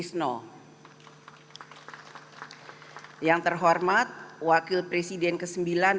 presiden ke sembilan republik indonesia bapak hamzah hav yang terhormat wakil presiden ke sepuluh dan ke dua belas